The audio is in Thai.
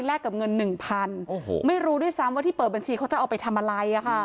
กับเงินหนึ่งพันโอ้โหไม่รู้ด้วยซ้ำว่าที่เปิดบัญชีเขาจะเอาไปทำอะไร